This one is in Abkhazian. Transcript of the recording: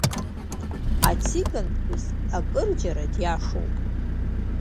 Ациган ԥҳәыс акырџьара диашоуп.